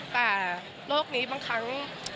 แต่โลกนี้บางครั้ง